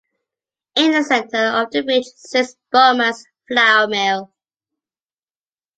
In the centre of the village sits Bowman's Flour Mill.